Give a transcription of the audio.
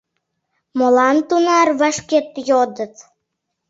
— Молан тунар вашкет? — йодыт.